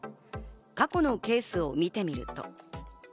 過去のケースを見てみると。